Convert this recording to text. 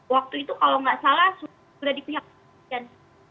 waktu itu kalau nggak salah sudah di pihak kepolisian